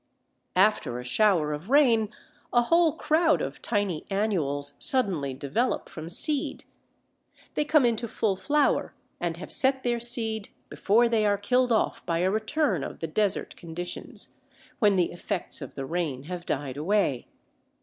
After a shower of rain a whole crowd of tiny annuals suddenly develop from seed; they come into full flower and have set their seed before they are killed off by a return of the desert conditions, when the effects of the rain have died away.